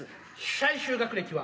最終学歴は？